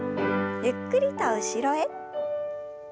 ゆっくりと後ろへ。